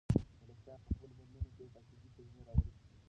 ملکیار په خپلو بندونو کې تاکېدي کلمې راوړي دي.